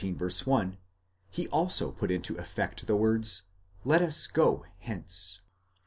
1), he also put into effect the words, /et us go hence.